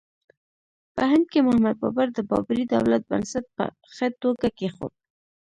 په هند کې محمد بابر د بابري دولت بنسټ په ښه توګه کېښود.